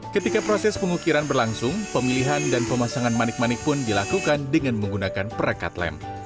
ketika proses pengukiran berlangsung pemilihan dan pemasangan manik manik pun dilakukan dengan menggunakan perekat lem